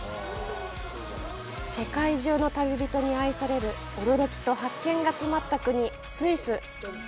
世界中の旅人に愛される驚きと発見が詰まった国・スイス。